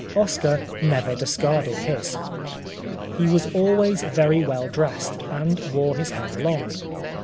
Oscar never discarded his. He was always very well dressed, and wore his hair long.